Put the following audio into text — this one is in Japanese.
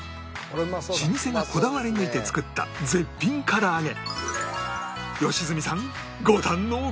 老舗がこだわり抜いて作った絶品唐揚げ良純さん